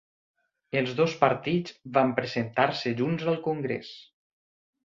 Els dos partits van presentar-se junts al congrés